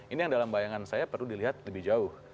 ini yang dalam bayangan saya perlu dilihat lebih jauh